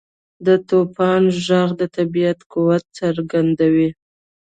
• د توپان ږغ د طبیعت قوت څرګندوي.